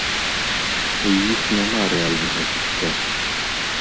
У іх няма рэальнага жыцця.